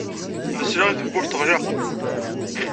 Nesla i tewwurt teɣleq.